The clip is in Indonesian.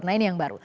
nah ini yang baru